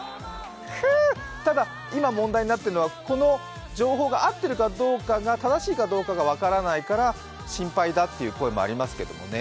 ただ、今、問題になっているのは、この情報が合っているかどうか、正しいかどうかが分からないから心配だっていう声もありますけどね。